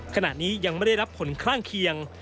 ขณะนี้ยังไม่ได้รับผลข้างเคียง